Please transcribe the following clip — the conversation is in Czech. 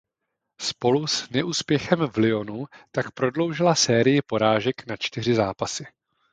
Spolu s neúspěchem v Lyonu tak prodloužila sérii porážek na čtyři zápasy.